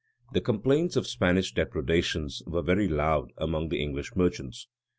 The complaints of Spanish depredations were very loud among the English merchants.